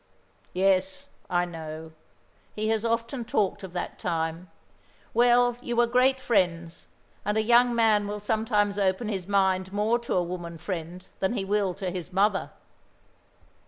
"Yes, I know. He has often talked of that time. Well, you were great friends; and a young man will sometimes open his mind more to a woman friend than he will to his mother.